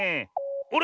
あれ？